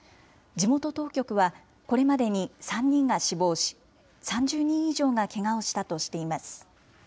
地元当局は、これまでに３人が死亡し、３０人以上がけがをしたとしています。